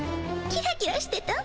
キラキラしてた。